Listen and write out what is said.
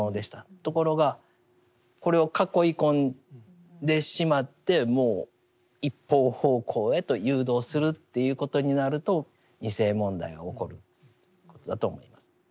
ところがこれを囲い込んでしまってもう一方方向へと誘導するということになると２世問題が起こることだと思います。